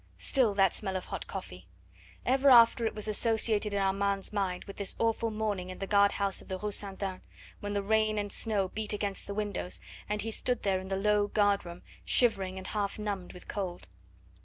Still that smell of hot coffee. Ever after it was associated in Armand's mind with this awful morning in the guard house of the Rue Ste. Anne, when the rain and snow beat against the windows, and he stood there in the low guard room shivering and half numbed with cold.